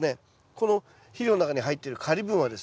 この肥料の中に入っているカリ分はですね